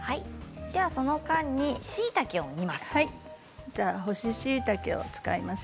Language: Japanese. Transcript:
その間にしいたけを煮ます。